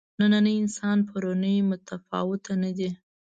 نننی انسان پروني متفاوته نه دي.